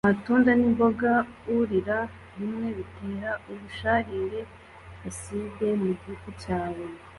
Amatunda n’imboga urira rimwe bitera ubusharire (aside) mu gifu cyawe;